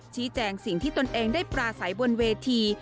ชี้แจงสิ่งที่ตนเองได้ปราศัยวนเวที